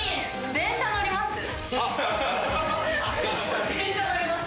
電車乗ります？